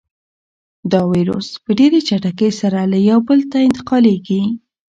دا وېروس په ډېرې چټکۍ سره له یو بل ته انتقالېږي.